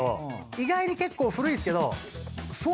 意外に結構古いんすけどふぉ